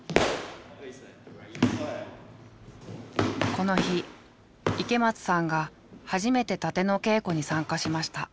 この日池松さんが初めて殺陣の稽古に参加しました。